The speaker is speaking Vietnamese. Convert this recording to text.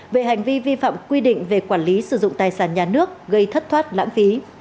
về hành vi vi phạm quy định về quản lý sử dụng tài sản nhà nước gây thất thoát lãng phí